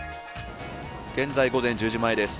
現在午前１０時前です。